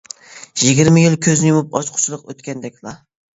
يىگىرمە يىل كۆزنى يۇمۇپ ئاچقۇچىلىق ئۆتكەندەكلا.